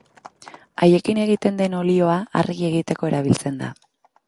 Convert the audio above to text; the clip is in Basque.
Haiekin egiten den olioa argi egiteko erabiltzen da.